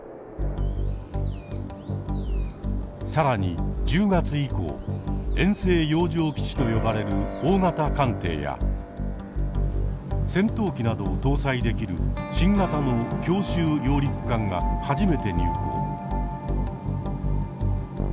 更に１０月以降「遠征洋上基地」と呼ばれる大型艦艇や戦闘機などを搭載できる新型の強襲揚陸艦が初めて入港。